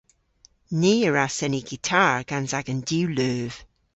Ni a wra seni gitar gans agan diwleuv.